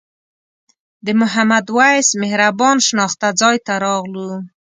د محمد وېس مهربان شناخته ځای ته راغلو.